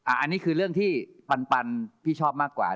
อันนี้คือเรื่องที่ปันพี่ชอบมากกว่า